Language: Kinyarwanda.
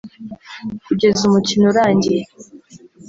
kugeza umukino urangiye